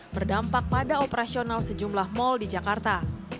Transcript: berdampak pada operasional sejumlah mal di jakarta